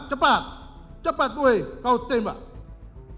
seharusnya terdakwa freddy sambu sh sik mh langsung mengatakan